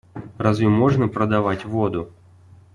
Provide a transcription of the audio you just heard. Разве можно продавать воду?